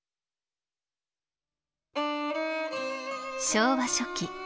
昭和初期